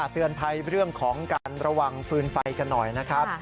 เตือนภัยเรื่องของการระวังฟืนไฟกันหน่อยนะครับ